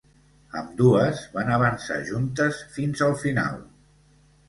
Ambdues van avançar juntes fins al final.